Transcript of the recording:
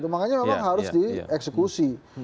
makanya memang harus dieksekusi